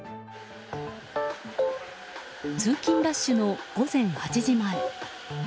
通勤ラッシュの午前８時前。